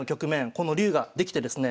この竜ができてですね